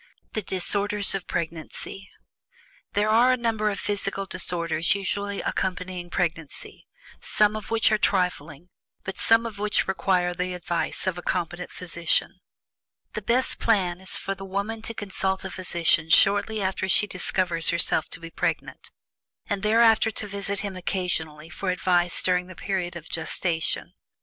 THE DISORDERS OF PREGNANCY. There are a number of physical disorders usually accompanying pregnancy, some of which are trifling, but some of which require the advice of a competent physician. The best plan is for the woman to consult a physician shortly after she discovers herself to be pregnant, and thereafter to visit him occasionally for advice during the period of gestation.